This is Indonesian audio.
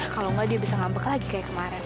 kalau nggak dia bisa ngambek lagi kayak kemarin